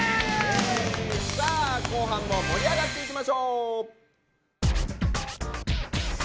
さあ後半も盛り上がっていきましょう！